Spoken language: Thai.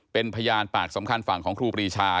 เป็นพยานปากสำคัญฝั่งของครูปรีชา